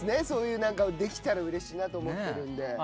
そういう何かできたらうれしいなと思ってるんで。